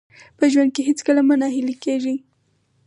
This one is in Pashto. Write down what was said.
په ژوند کې هېڅکله مه ناهیلي کېږئ.